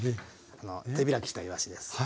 あの手開きしたいわしです。